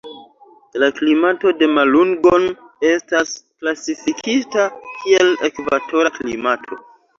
La klimato de Malungon estas klasifikita kiel ekvatora klimato.